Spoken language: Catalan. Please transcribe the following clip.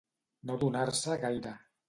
No donar-se gaire.